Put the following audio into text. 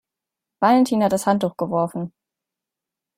Valentin hat das Handtuch geworfen.